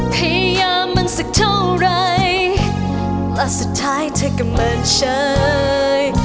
พยายามมันสักเท่าไหร่และสุดท้ายเธอก็เหมือนเชื่อ